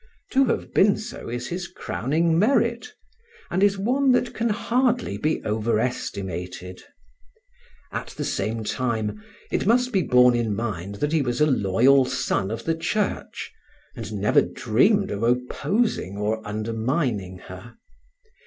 To have been so is his crowning merit, and is one that can hardly be overestimated. At the same time it must be borne in mind that he was a loyal son of the Church, and never dreamed of opposing or undermining her.